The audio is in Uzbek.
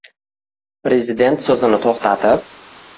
Prezident so‘zini to‘xtatib